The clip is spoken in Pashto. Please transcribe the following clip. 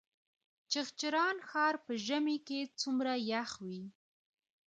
چغچران ښار په ژمي کې څومره یخ وي؟